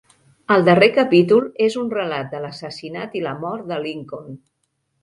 El darrer capítol és un relat de l'assassinat i la mort de Lincoln.